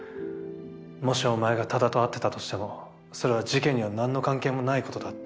もしお前が多田と会ってたとしてもそれは事件にはなんの関係もないことだって。